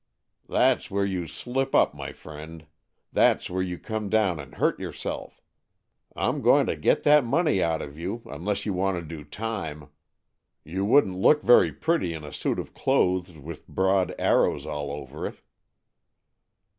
" That's where you slip up, my friend. That's where you come down and hurt your self. I'm going to get that money out of you, unless you want to do time. You wouldn't look very pretty in a suit of clothes with broad arrows all over it."